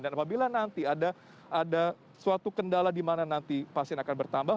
dan apabila nanti ada suatu kendala dimana nanti pasien akan bertambah